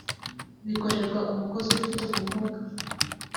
bikorerwa umukozi ufite ubumuga